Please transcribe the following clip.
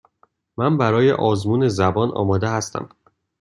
من برای آزمون زبان آماده هستم.